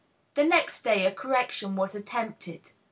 The next day a correction was attempted.